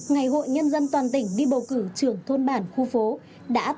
ngày hội nhân dân toàn tỉnh đi bầu cử trưởng thôn bản khu phố đã thành công tốt đẹp